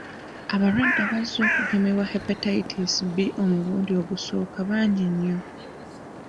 Abalwadde abazze okugemebwa Hepatitis B omulundi ogusooka bangi nnyo.